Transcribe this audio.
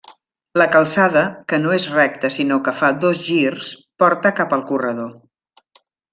La calçada, que no és recta sinó que fa dos girs, porta cap al corredor.